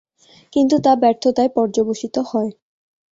কিন্তু তা ব্যর্থতায় পর্যবসিত হয়।